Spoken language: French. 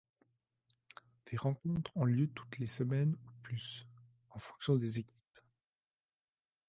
Des rencontres ont lieu toutes les semaines ou plus, en fonction des équipes.